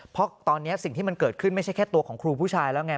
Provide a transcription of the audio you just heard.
เพราะตอนนี้สิ่งที่มันเกิดขึ้นไม่ใช่แค่ตัวของครูผู้ชายแล้วไง